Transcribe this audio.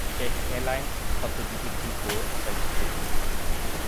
Czech Airlines hatte diese zuvor selbst bedient.